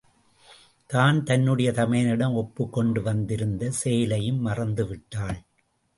தான் தன்னுடைய தமையனிடம் ஒப்புக்கொண்டு வந்திருந்த செயலையும் மறந்துவிட்டாள்.